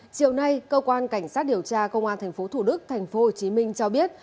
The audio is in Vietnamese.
chiều nay cơ quan cảnh sát điều tra công an tp hcm cho biết